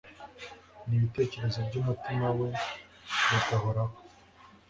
n’ibitekerezo by’umutima we bigahoraho